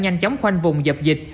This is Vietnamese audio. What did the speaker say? nhanh chóng quanh vùng dập dịch